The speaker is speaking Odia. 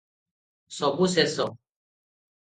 ସବୁ ଶେଷ!